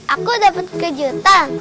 aku dapat kejutan